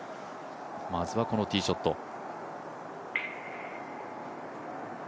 まずはこのティーショット。